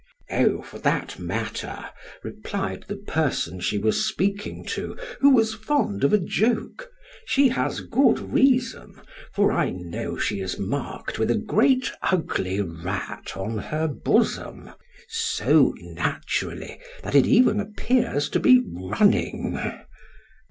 "O, for that matter," replied the person she was speaking to (who was fond of a joke), "she has good reason, for I know she is marked with a great ugly rat on her bosom, so naturally, that it even appears to be running."